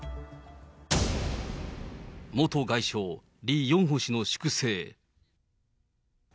元外相、リ・ヨンホ氏の粛清。